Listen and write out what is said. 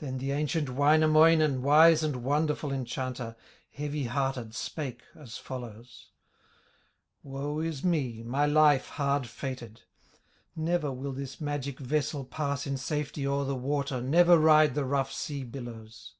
Then the ancient Wainamoinen, Wise and wonderful enchanter, Heavy hearted spake as follows: "Woe is me, my life hard fated! Never will this magic vessel Pass in safety o'er the water, Never ride the rough sea billows."